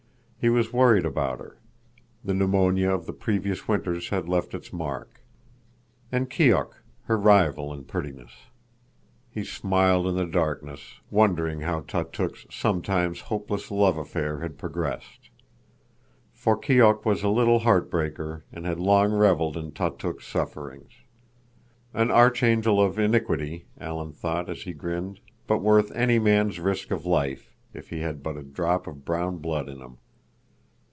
He was worried about her. The pneumonia of the previous winters had left its mark. And Keok, her rival in prettiness! He smiled in the darkness, wondering how Tautuk's sometimes hopeless love affair had progressed. For Keok was a little heart breaker and had long reveled in Tautuk's sufferings. An archangel of iniquity, Alan thought, as he grinned—but worth any man's risk of life, if he had but a drop of brown blood in him!